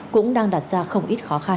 cũng đang đặt ra không ít khó khăn